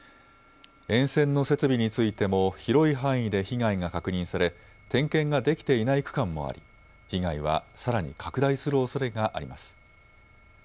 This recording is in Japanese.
沿線の設備についても広い範囲で被害が確認され点検ができていない区間もあり被害はさらに拡大するおそれがあります。